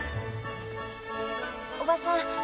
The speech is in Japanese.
おばさん。